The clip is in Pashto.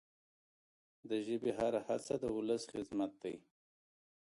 د ژبي هره هڅه د ولس خدمت دی.